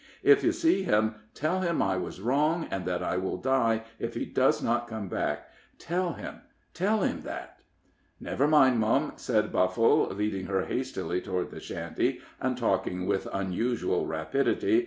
If you see him, tell him I was wrong, and that I will die if he does not come back. Tell him tell him that." "Never mind, mum," said Buffle, leading her hastily toward the shanty, and talking with unusual rapidity.